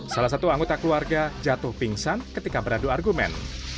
salah satu anggota keluarga jatuh pingsan ketika beradu argumen